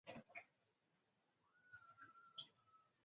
Zimekuwa zikiwavutia viongozi mbali mbali kama vile